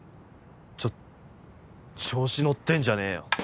ちょ調子乗ってんじゃねえよ